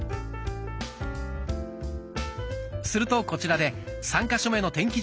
するとこちらで３か所目の天気